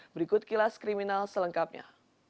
berikut kilas kriminal selengkapnya